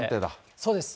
そうです。